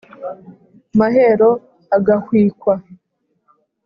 mahero agahwikwa